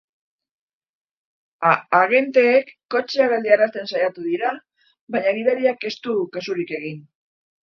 Agenteek kotxea geldiarazten saiatu dira baina gidariak ez du kasurik egin.